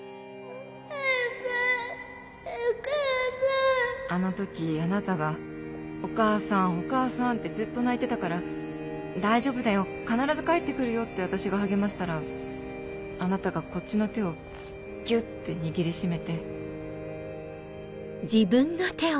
お母さんお母さんあの時あなたが「お母さんお母さん」ってずっと泣いてたから「大丈夫だよ必ず帰って来るよ」って私が励ましたらあなたがこっちの手をギュって握り締めて。